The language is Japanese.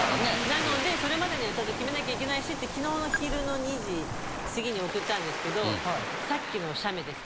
なのでそれまでにはちゃんと決めなきゃいけないしって昨日の昼の２時過ぎに送ったんですけどさっきの写メです